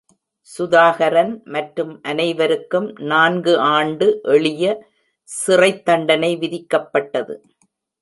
சுதாகரன், மற்றும் அனைவருக்கும் நான்கு ஆண்டு எளிய சிறைத்தண்டனை விதிக்கப்பட்டது.